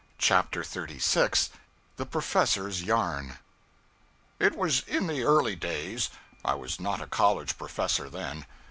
CHAPTER 36 The Professor's Yarn IT was in the early days. I was not a college professor then.